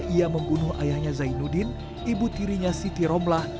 ia membunuh ayahnya zainuddin ibu tirinya siti romlah